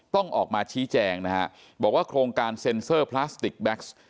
ต้องออกมาชี้แจงนะฮะบอกว่าโครงการเซ็นเซอร์พลาสติกแก๊ส